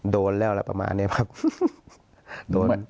โดนแล้วแหละประมาณเนี่ย